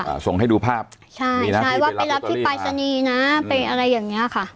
อ่าส่งให้ดูภาพใช่ใช่ว่าเป็นรับที่ปลายสนีนะเป็นอะไรอย่างเนี้ยค่ะ